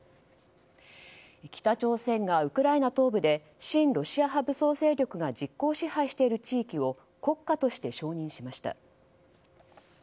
北朝鮮がウクライナ東部で親ロシア派武装勢力が実効支配している地域を国家として承認しました。